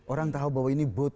orang tahu bahwa ini booth